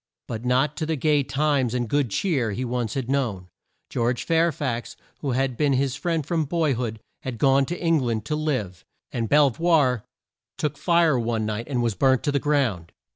But not to the gay times and good cheer he once had known. George Fair fax who had been his friend from boy hood had gone to Eng land to live, and Bel voir took fire one night and was burnt to the ground.